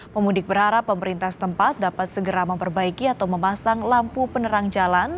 pemudik berharap pemerintah setempat dapat segera memperbaiki atau memasang lampu penerang jalan